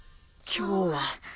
今日は